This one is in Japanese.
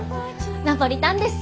ナポリタンです！